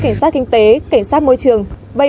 cảnh sát kinh tế cảnh sát môi trường